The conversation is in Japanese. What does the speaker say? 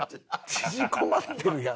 縮こまってるやん。